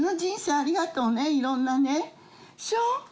ありがとうねいろんなねショウ」。